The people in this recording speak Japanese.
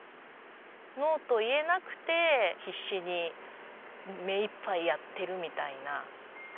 「ノー」と言えなくて必死に目いっぱいやってるみたいな。